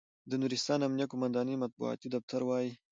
د نورستان امنیه قوماندانۍ مطبوعاتي دفتر وایي،